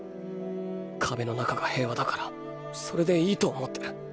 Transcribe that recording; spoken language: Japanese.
壁の中が平和だからそれでいいと思ってる。